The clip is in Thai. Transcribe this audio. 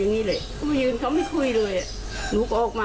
เค้าไม่คุยเลยอะ